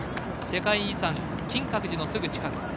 世界遺産、金閣寺のすぐ近く。